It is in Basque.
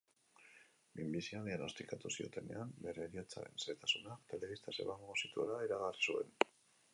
Minbizia diagnostikatu ziotenean, bere heriotzaren xehetasunak telebistaz emango zituela iragarri zuen.